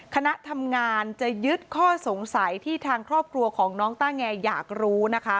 คณะทำงานจะยึดข้อสงสัยที่ทางครอบครัวของน้องต้าแงอยากรู้นะคะ